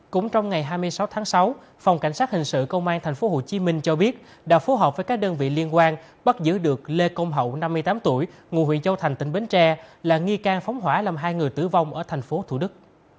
cũng trong ngày hai mươi sáu tháng sáu phòng cảnh sát hình sự công an tp hcm cho biết đã phối hợp với các đơn vị liên quan bắt giữ được lê công hậu năm mươi tám tuổi ngụ huyện châu thành tỉnh bến tre là nghi can phóng hỏa làm hai người tử vong ở tp thủ đức